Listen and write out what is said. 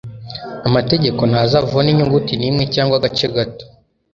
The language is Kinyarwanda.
amategeko ntazavaho n’inyuguti n’imwe cyangwa agace gato.”